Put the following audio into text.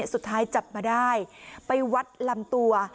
สุดท้ายจับมาได้ไปวัดลำตัว